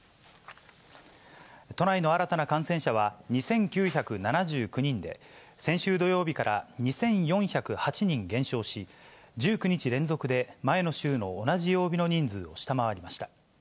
都内の新たな感染者は２９７９人で、先週土曜日から２４０８人減少し、１９日連続で、前の週の同じ曜日の人数を下回りました。